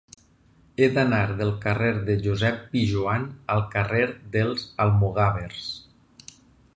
He d'anar del carrer de Josep Pijoan al carrer dels Almogàvers.